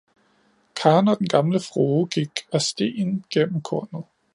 Karen og den gamle frue gik ad stien gennem kornet